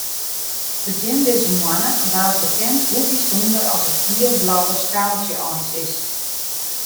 Begjin dizze moanne waard bekend hoe bysûnder as it giel-blauwe skaaltsje eins is.